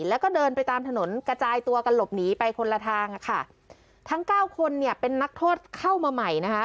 แล้วก็เดินไปตามถนนกระจายตัวกันหลบหนีไปคนละทางค่ะทั้งเก้าคนเนี่ยเป็นนักโทษเข้ามาใหม่นะคะ